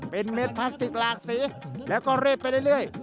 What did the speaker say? เป็นเม็ดพลาสติกหลากสีแล้วก็รีดไปเรื่อย